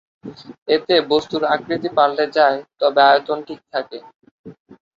এতে বস্তুর আকৃতি পালটে যায়, তবে আয়তন ঠিক থাকে।